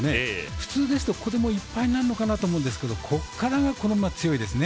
普通ですと、ここでいっぱいになるのかなと思うんですけどここからが、この馬、強いですね。